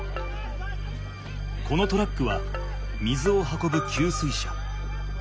このトラックは水を運ぶ給水車。